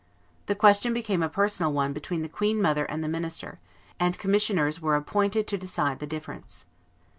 The question became a personal one between the queen mother and the minister; and commissioners were appointed to decide the difference.